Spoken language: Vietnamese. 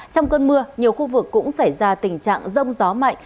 trong cơn mưa nhiều khu vực cũng xảy ra tình trạng rông gió mạnh